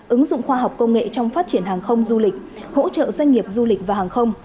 ứng dụng khoa học công nghệ trong phát triển hàng không du lịch hỗ trợ doanh nghiệp du lịch và hàng không